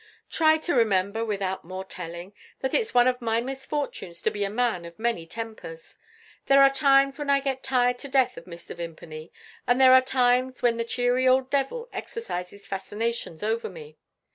Try to remember, without more telling, that it's one of my misfortunes to be a man of many tempers. There are times when I get tired to death of Mr. Vimpany; and there are times when the cheery old devil exercises fascinations over me.